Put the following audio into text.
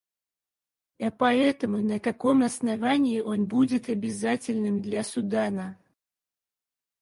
А поэтому, на каком основании он будет обязательным для Судана?